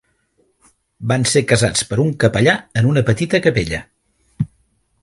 Van ser casats per un capellà en una petita capella.